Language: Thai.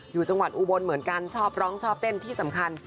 อยู่จังหวัดอุบลเหมือนกันชอบร้องชอบเต้นที่สำคัญ